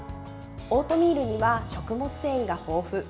オートミールには食物繊維が豊富。